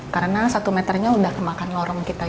karena satu meternya udah kemakan lorong kita ini